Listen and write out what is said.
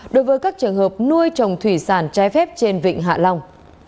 đối với các trường hợp nuôi trồng thủy sản trái phép trên vịnh hạ long